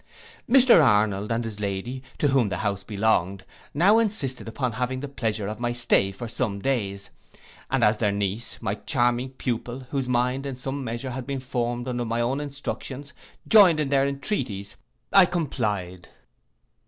Mr Arnold and his lady, to whom the house belonged, now insisted upon having the pleasure of my stay for some days, and as their niece, my charming pupil, whose mind, in some measure, had been formed under my own instructions, joined in their entreaties, I complied.